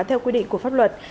theo quy định của pháp luật